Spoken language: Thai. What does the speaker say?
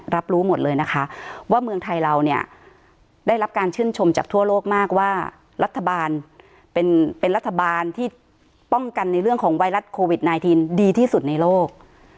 รับรู้หมดเลยนะคะว่าเมืองไทยเราเนี่ยได้รับการชื่นชมจากทั่วโลกมากว่ารัฐบาลเป็นรัฐบาลที่ป้องกันในเรื่องของไวรัสโควิด๑๙ดีที่สุดในโลก